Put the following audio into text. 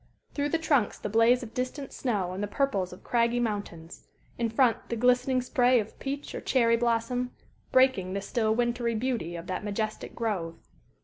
Through the trunks the blaze of distant snow and the purples of craggy mountains; in front the glistening spray of peach or cherry blossom, breaking the still wintry beauty of that majestic grove.